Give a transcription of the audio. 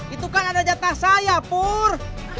itu kan ada jatah saya pur